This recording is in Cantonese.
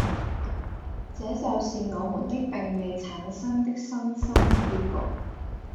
這就是我們的並未產生的《新生》的結局。